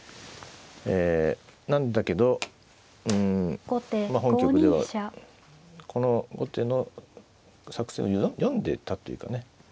ええなんだけど本局ではこの後手の作戦を読んでたというかね